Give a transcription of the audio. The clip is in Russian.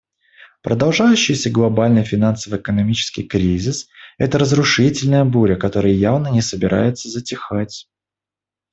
Продолжающийся глобальный финансово-экономический кризис — это разрушительная буря, которая явно не собирается затихать.